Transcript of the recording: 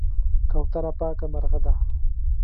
کوتره پاکه مرغه ده.